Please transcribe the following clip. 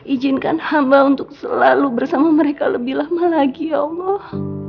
izinkan hamba untuk selalu bersama mereka lebih lama lagi ya allah